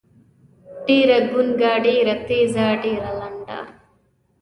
ډېــره ګونګــــــه، ډېــره تېــزه، ډېــره لنډه.